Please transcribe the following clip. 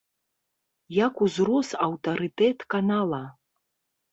Як узрос аўтарытэт канала!